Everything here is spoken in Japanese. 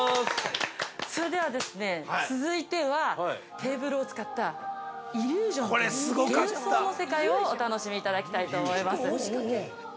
◆それではですね、続いては、テーブルを使ったイリュージョンという幻想の世界をお楽しみいただきたいと思います。